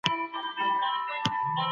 د پوهې تنده هېڅکله نه ماتیږي.